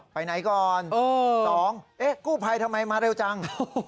ไปไหนก่อนสองกู้ไผ่ทำไมมาเร็วจัง